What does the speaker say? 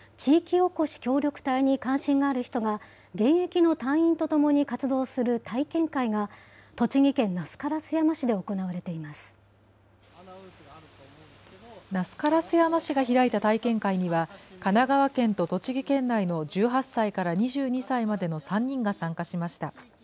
おこし協力隊に関心がある人が現役の隊員と共に活動する体験会が、栃木県那須烏山市で行那須烏山市が開いた体験会には、神奈川県と栃木県内の１８歳から２２歳までの３人が参加しました。